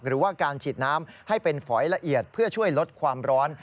หรือว่าการฉีดน้ำให้เป็นฝอยละเอียดเพื่อช่วยลดความร้อน